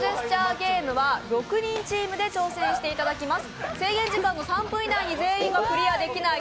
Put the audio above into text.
ゲームは６人チームで挑戦していただきます